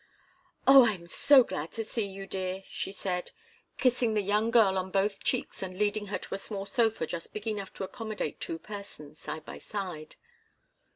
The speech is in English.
"Oh, I'm so glad to see you, dear!" she said, kissing the young girl on both cheeks and leading her to a small sofa just big enough to accommodate two persons, side by side.